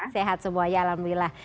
sehat semuanya alhamdulillah